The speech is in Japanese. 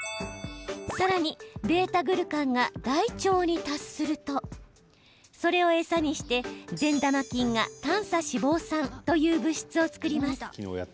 さらにβ−グルカンが大腸に達するとそれを餌にして善玉菌が短鎖脂肪酸という物質を作ります。